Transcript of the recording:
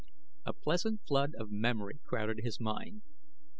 A pleasant flood of memory crowded his mind.